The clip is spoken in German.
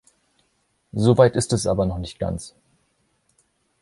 So weit ist es aber noch nicht ganz.